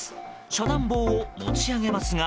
遮断棒を持ち上げますが。